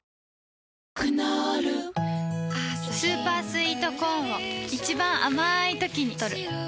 クノールスーパースイートコーンを一番あまいときにとる